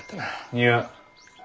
いや。